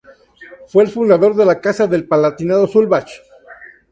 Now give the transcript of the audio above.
Fue el fundador de la Casa del Palatinado-Sulzbach.